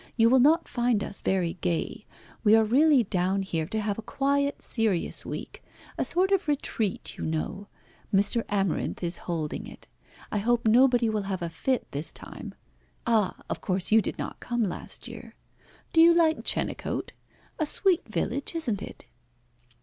You will not find us very gay. We are really down here to have a quiet, serious week a sort of retreat, you know. Mr. Amarinth is holding it. I hope nobody will have a fit this time. Ah! of course you did not come last year. Do you like Chenecote? A sweet village, isn't it?"